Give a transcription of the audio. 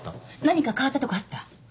何か変わったとこあった？